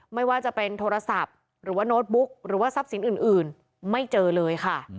ไม่ว่าจะเป็นโทรศัพท์หรือว่าโน้ตบุ๊กหรือว่าทรัพย์สินอื่นไม่เจอเลยค่ะ